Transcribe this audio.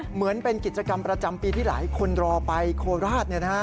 เหมือนเป็นกิจกรรมประจำปีที่หลายคนรอไปโคราช